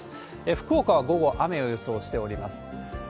福岡は午後、雨を予想しております。